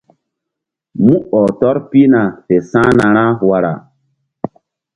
Mú ɔh tɔr pihna fe sa̧hna ra wara.